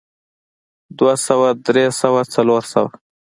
دوه سوه درې سوه څلور سوه